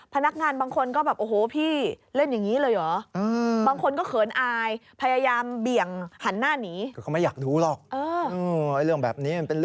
พนักงานบางคนก็แบบโอ้โหพี่เล่นอย่างนี้เลยเหรอ